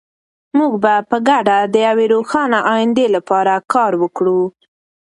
موږ به په ګډه د یوې روښانه ایندې لپاره کار وکړو.